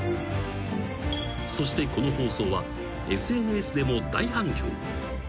［そしてこの放送はＳＮＳでも大反響］